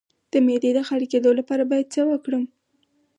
د معدې د خالي کیدو لپاره باید څه وکړم؟